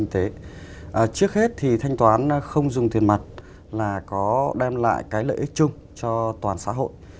trước hết thì thanh toán không dùng tiền mặt là có đem lại cái lợi ích chung cho toàn xã hội